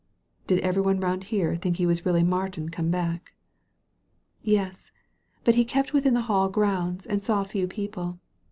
''Did every one round here think he was really Martin come back ?" "Yes. But he kept within the Hall grounds, and saw few people.